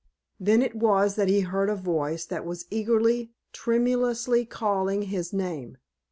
Then it was that he heard a voice that was eagerly, tremulously calling his name.